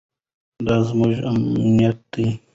دا زموږ امانت دی.